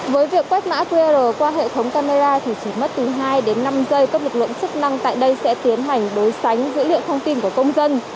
với việc quét mã qr qua hệ thống camera thì chỉ mất từ hai đến năm giây các lực lượng chức năng tại đây sẽ tiến hành đối sánh dữ liệu thông tin của công dân